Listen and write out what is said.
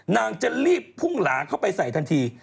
นางจะรีบพุ่งหลาเข้าไปใส่ทันที